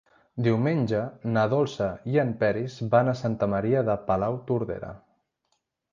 Diumenge na Dolça i en Peris van a Santa Maria de Palautordera.